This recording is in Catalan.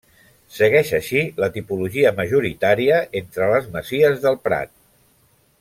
Segueix així la tipologia majoritària entre les masies del Prat.